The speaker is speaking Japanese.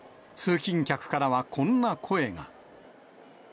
通勤客からはこんな声が。